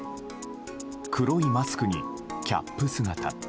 黒いマスクにキャップ姿。